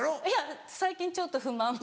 いや最近ちょっと不満。